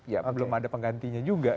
ya belum ada penggantinya juga